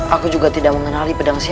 aku juga tidak mengenali pedang siapa itu